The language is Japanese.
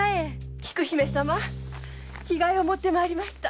菊姫様着替えを持ってまいりました。